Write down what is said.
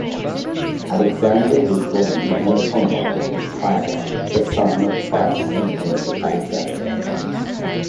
Alexander was born in Ottumwa, Iowa, the son of Price and Mary Alexander.